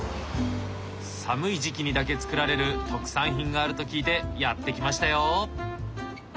寒い時期にだけ作られる特産品があると聞いてやって来ましたよ。